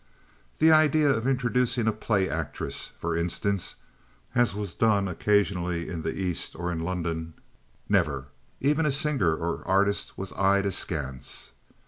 The idea of introducing a "play actress," for instance, as was done occasionally in the East or in London—never; even a singer or an artist was eyed askance.